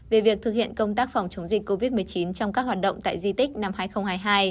về việc thực hiện công tác phòng chống dịch covid một mươi chín trong các hoạt động tại di tích năm hai nghìn hai mươi hai